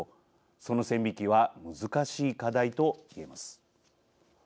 その線引きは難しい課題と言えます。